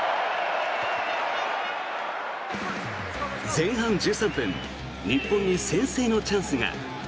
前半１３分日本に先制のチャンスが。